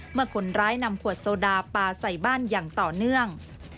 เมื่อคนร้ายนำขวดโซดาปลาใส่บ้านอย่างต่อเนื่อง